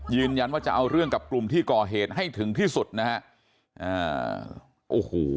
ยืนยันว่าจะเอาเรื่องกับกลุ่มที่ก่อเหตุให้ถึงที่สุดนะฮะอ่าโอ้โห